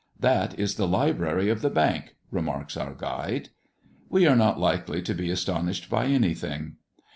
"That is the library of the Bank," remarks our guide. We are not likely to be astonished by anything.